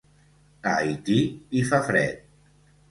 A Haití hi fa fred